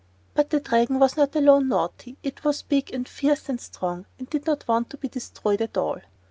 But the Dragon was not alone naughty; it was big, and fierce, and strong, and did not want to be destroyed at all.